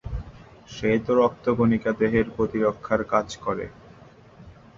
শ্বেত রক্তকণিকা দেহের প্রতিরক্ষার কাজ করে।